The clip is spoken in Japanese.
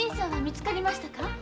見つかりましたか？